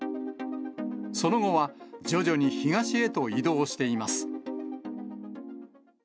その後は徐々に東へと移動しています。